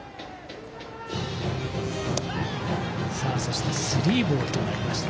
うんスリーボールになりました。